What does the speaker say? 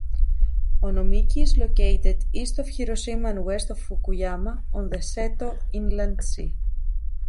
Onomichi is located east of Hiroshima and west of Fukuyama on the Seto Inland Sea.